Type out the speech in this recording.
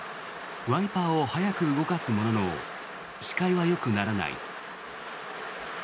ワイパーを速く動かすものの視界はよくならない。